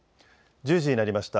１０時になりました。